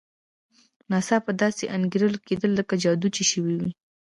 ناڅاپه داسې انګېرل کېده لکه جادو چې شوی وي.